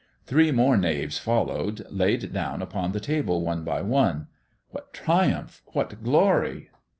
Three more knaves followed, laid down upon the table one by one. What triumph! What glory!